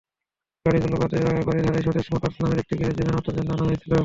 গাড়িগুলো বারিধারায় স্বদেশ মটরস নামের একটি গ্যারেজে মেরামতের জন্য আনা হয়েছিল।